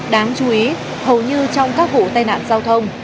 đáng chú ý hầu như trong các vụ tai nạn giao thông